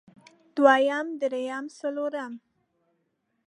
دويم درېيم څلورم